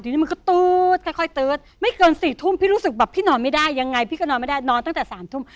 ทีนี้มันก็ตื๊ดค่อยตื๊ดไม่เกิน๔ทุ่มพี่รู้สึกแบบพี่นอนไม่ได้ยังไงพี่ก็นอนไม่ได้นอนตั้งแต่๓ทุ่ม